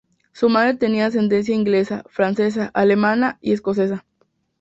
Su madre tenía ascendencia inglesa, francesa, alemana y escocesa.